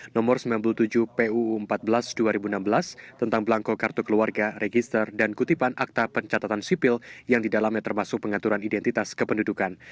nomor sembilan puluh tujuh puu empat belas dua ribu enam belas tentang belangko kartu keluarga register dan kutipan akta pencatatan sipil yang didalamnya termasuk pengaturan identitas kependudukan